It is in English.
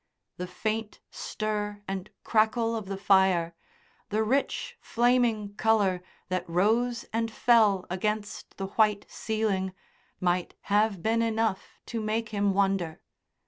The faint stir and crackle of the fire, the rich flaming colour that rose and fell against the white ceiling might have been enough to make him wonder.